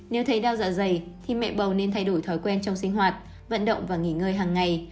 nếu thấy đau dạ dày thì mẹ bầu nên thay đổi thói quen trong sinh hoạt vận động và nghỉ ngơi hàng ngày